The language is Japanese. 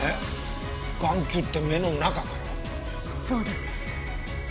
そうです。